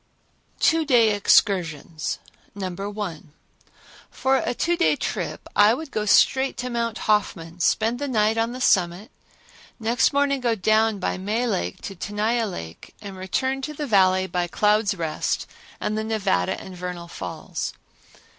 Two Day Excursions No. 1. For a two day trip I would go straight to Mount Hoffman, spend the night on the summit, next morning go down by May Lake to Tenaya Lake and return to the Valley by Cloud's Rest and the Nevada and Vernal Falls.